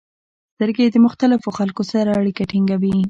• سترګې د مختلفو خلکو سره اړیکه ټینګوي.